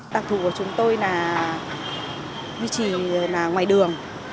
tạp thủ của chúng tôi là duy trì ngoài đường